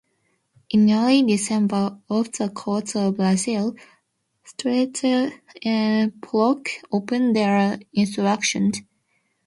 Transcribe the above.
In early December, off the coast of Brazil, Sterett and Pollock opened their instructions.